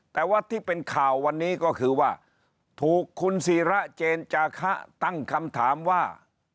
แต่ว่าที่เป็นข่าววันนี้ก็คือว่าถูกคุณศิระเจนจาคะตั้งคำถามว่า